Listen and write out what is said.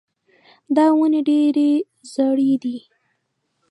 دا ونې ډېرې زاړې دي.